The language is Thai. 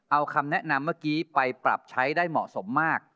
เอาคำแนะนำเมื่อกี้ไปปรับใช้ได้เหมาะสมมาก